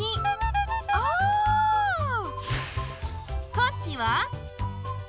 こっちは庇。